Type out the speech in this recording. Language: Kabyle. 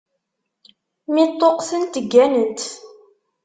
Mi ṭṭuqtent, gganent.